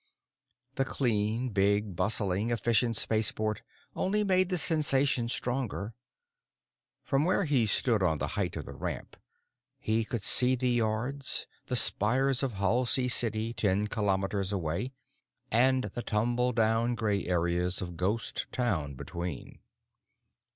The clean, big, bustling, efficient spaceport only made the sensation stronger. From where he stood on the height of the Ramp, he could see the Yards, the spires of Halsey City ten kilometers away—and the tumble down gray acres of Ghost Town between.